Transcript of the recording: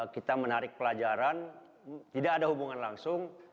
kita menarik pelajaran tidak ada hubungan langsung